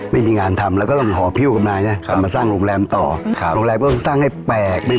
ไม่มีงานทำแล้วก็ต้องหอพิวกับนายใช่ไหม